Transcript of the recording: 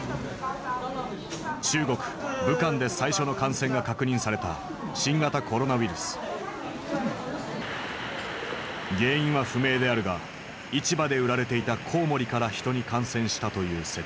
中国武漢で最初の感染が確認された原因は不明であるが市場で売られていたこうもりから人に感染したという説。